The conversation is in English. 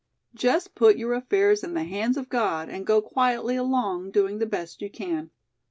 Just put your affairs in the hands of God and go quietly along, doing the best you can.